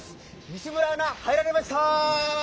西村アナ入られました！